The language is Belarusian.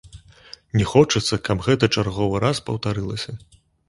Не хочацца, каб гэта чарговы раз паўтарылася.